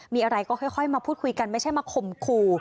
มีอะไรก็ค่อยมาพูดคุยกันไม่ใช่มาข่มขู่